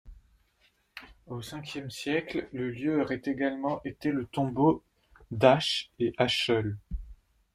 Au Ve siècle, le lieu aurait également été le tombeau d'Ache et Acheul.